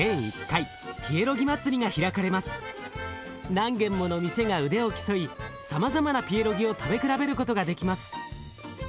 何軒もの店が腕を競いさまざまなピエロギを食べ比べることができます。